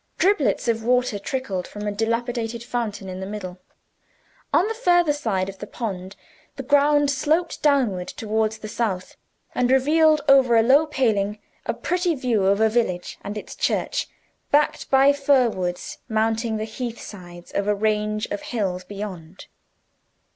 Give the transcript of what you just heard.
Driblets of water trickled from a dilapidated fountain in the middle. On the further side of the pond the ground sloped downward toward the south, and revealed, over a low paling, a pretty view of a village and its church, backed by fir woods mounting the heathy sides of a range of hills beyond.